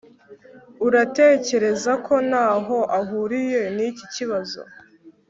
uratekereza ko ntaho ahuriye niki kibazo